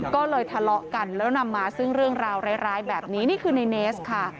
ก็เลยทะเลาะกันแล้วนำมาซึ่งเรื่องราวร้ายแบบนี้นี่คือในเนสค่ะ